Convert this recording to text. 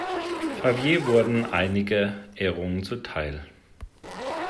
Favier wurden einige Ehrungen zu Teil.